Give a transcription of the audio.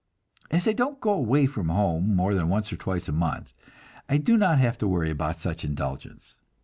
As I don't go away from home more than once or twice a month, I do not have to worry about such indulgence.